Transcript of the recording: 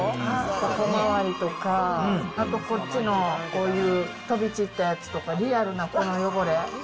小回りとか、あとこっちのこういう飛び散ったやつとか、リアルなこの汚れ。